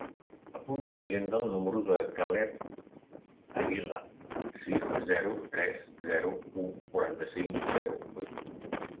Apunta a l'agenda el número del Caleb Aguila: sis, zero, tres, zero, u, quaranta-cinc, zero, vuit.